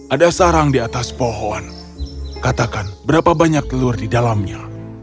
ada sarang di atas pohon katakan berapa banyak telur di dalamnya